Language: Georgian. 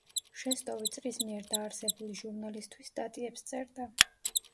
შესტოვი წრის მიერ დაარსებული ჟურნალისთვის სტატიებს წერდა.